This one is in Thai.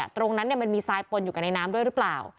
ตรงนั้นมันมีทรายปนอยู่กับในน้ำด้วยหรือเปล่า